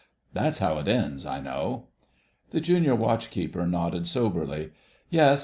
"That's how it ends, I know." The Junior Watch keeper nodded soberly. "Yes....